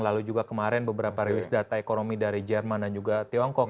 lalu juga kemarin beberapa rilis data ekonomi dari jerman dan juga tiongkok